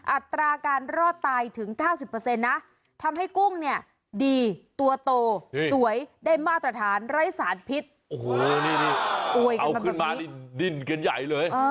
โอ้โหเอาขึ้นมาดินกันใหญ่เลย